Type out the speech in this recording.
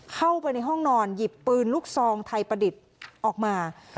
เข้าไปในห้องนอนหยิบปืนลูกซองไทยประดิษฐ์ออกมา